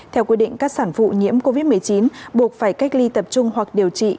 theo quy định các sản phụ nhiễm covid một mươi chín buộc phải cách ly tập trung hoặc điều trị